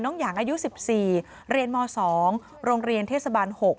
หยางอายุ๑๔เรียนม๒โรงเรียนเทศบาล๖